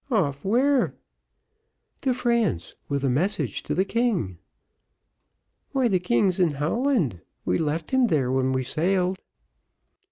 "Off, where?" "To France, with a message to the king." "Why, the king's in Holland! we left him there when we sailed."